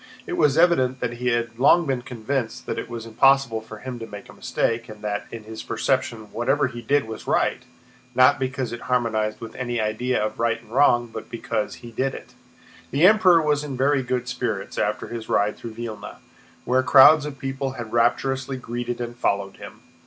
It was evident that he had long been convinced that it was impossible for him to make a mistake, and that in his perception whatever he did was right, not because it harmonized with any idea of right and wrong, but because he did it. The Emperor was in very good spirits after his ride through Vílna, where crowds of people had rapturously greeted and followed him.